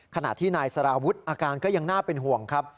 ขณะที่นายสารวุฒิอาการก็ยังน่าเป็นห่วงครับ